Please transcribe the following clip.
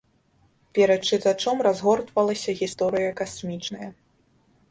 Перад чытачом разгортвалася гісторыя касмічная.